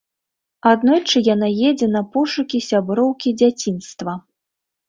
Аднойчы яна едзе на пошукі сяброўкі дзяцінства.